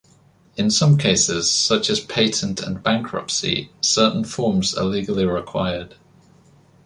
In some cases, such as patent and bankruptcy, certain forms are legally required.